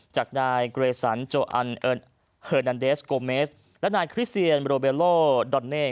จากนายเกรสันโจอันเฮอร์นันเดสโกเมสและนายคริสเซียนโรเบโลดอนเน่